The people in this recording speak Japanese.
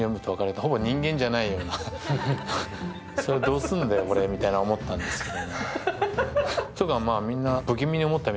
それ、どうすんだよとか思ったんですけど。